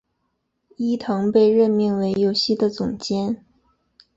伊藤被任命为游戏的总监。